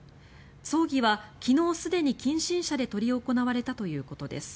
葬儀は昨日すでに近親者で執り行われたということです。